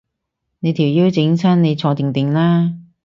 你條腰整親，你坐定定啦